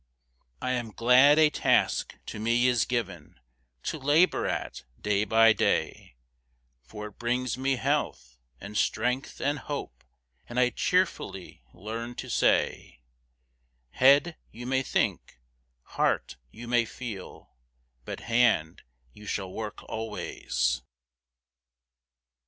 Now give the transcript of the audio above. I am glad a task to me is given To labor at day by day; For it brings me health, and strength, and hope, And I cheerfully learn to say 'Head, you may think; heart, you may feel; But hand, you shall work always!'